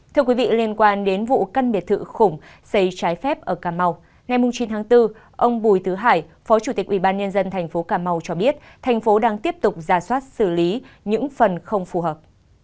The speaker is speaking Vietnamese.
thưa quý vị liên quan đến vụ căn biệt thự khủng xây trái phép ở cà mau ngày chín tháng bốn ông bùi tứ hải phó chủ tịch ubnd tp cà mau cho biết thành phố đang tiếp tục ra soát xử lý những phần không phù hợp